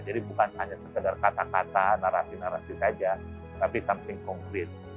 jadi bukan hanya sekedar kata kata narasi narasi saja tapi something concrete